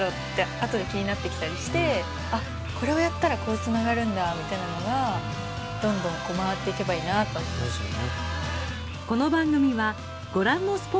ってあとで気になってきたりしてあっこれをやったらこうつながるんだみたいなのがどんどんこう回っていけばいいなと思います